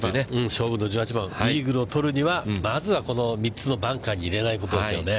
勝負の１８番、イーグルを取るには、まずは、この３つのバンカーに入れないことですよね。